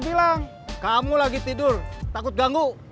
terima kasih juga